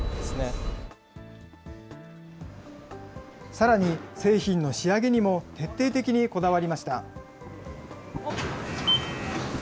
さらに、製品の仕上げにも徹底的にこだわりました。